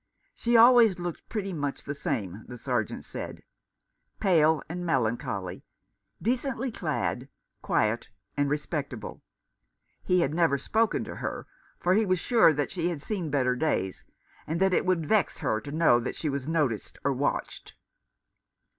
She always looked pretty much the same, the Sergeant said ; pale and melancholy, decently clad, quiet and respectable. He had never spoken to her, for he was sure that she had seen better days, and that it would vex her to know that she was noticed or watched.